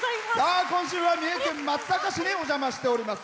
今週は三重県松阪市にお邪魔しております。